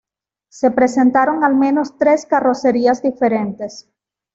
Se presentaron al menos tres carrocerías diferentes.